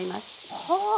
はあ！